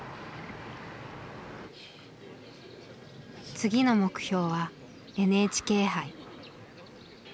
次の目標はＮＨＫ杯。